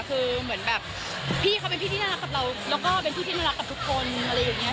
คือเหมือนแบบพี่เขาเป็นพี่ที่น่ารักกับเราแล้วก็เป็นพี่ที่น่ารักกับทุกคนอะไรอย่างนี้